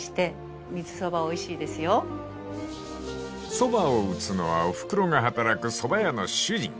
［そばを打つのはおふくろが働くそば屋の主人］